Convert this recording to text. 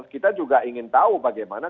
kita juga ingin tahu bagaimana